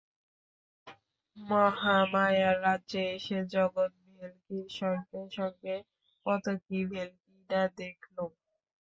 মহামায়ার রাজ্যে এসে জগৎ-ভেল্কির সঙ্গে সঙ্গে কত কি ভেল্কিই না দেখলুম।